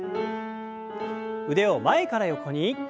腕を前から横に。